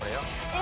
え？